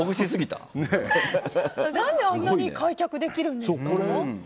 何で、あんなに開脚できるんですか。